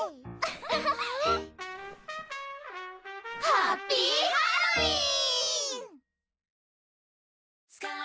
ハッピーハロウィーン！